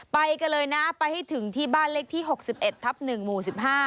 ไปกันเลยนะไปให้ถึงที่บ้านเลขที่๖๑ทับ๑หมู่๑๕